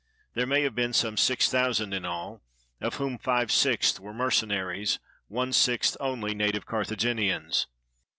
There may have been some six thousand in all, of whom five sixths were mercenaries, one sixth only native Carthaginians.